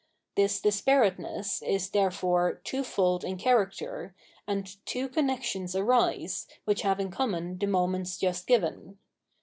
This disparateness is, therefore, twofold m character, and two connections arise, which have in common the moments just given.